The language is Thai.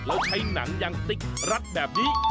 แล้วใช้หนังยางติ๊กรัดแบบนี้